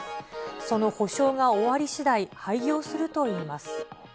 その補償が終わり次第、廃業するといいます。